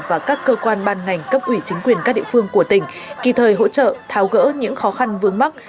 và các cơ quan ban ngành cấp ủy chính quyền các địa phương của tỉnh kỳ thời hỗ trợ tháo gỡ những khó khăn vướng mắt